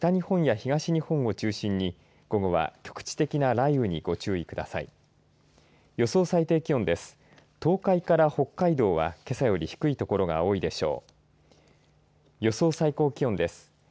東海から北海道はけさより低い所が多いでしょう。